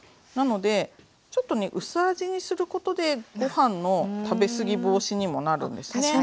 なのでちょっとね薄味にすることでご飯の食べ過ぎ防止にもなるんですね。